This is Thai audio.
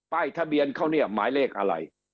ทะเบียนเขาเนี่ยหมายเลขอะไร